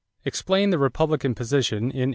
Explain the Republican position in 1896.